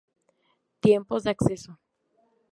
Tiempos de acceso